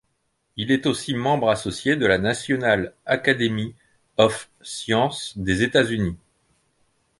Il est aussi membre associé de la National Academy of Sciences des États-Unis.